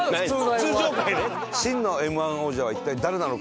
真のＭ−１王者は一体誰なのか。